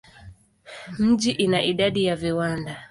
Mji ina idadi ya viwanda.